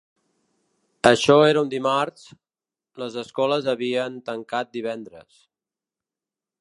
Això era un dimarts; les escoles havien tancat divendres.